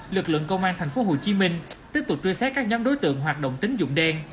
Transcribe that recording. lực lượng công an tp hcm tiếp tục truy xét các nhóm đối tượng hoạt động tính dụng đen